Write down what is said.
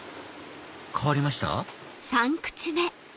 変わりました？